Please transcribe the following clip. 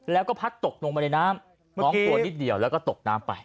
แล้วก็พัดตกลงไปในน้ำน้องตัวนิดเดียวแล้วก็ตกน้ำไป